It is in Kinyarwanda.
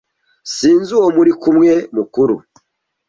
Sinzi uwo muri mwe mukuru.